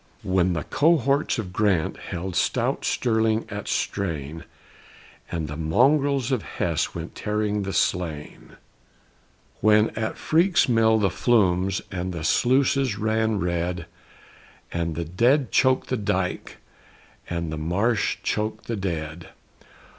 When the cohorts of Grant held stout Stirling at strain, And the mongrels of Hesse went tearing the slain; When at Freeke's Mill the flumes and the sluices ran red, And the dead choked the dyke and the marsh choked the dead!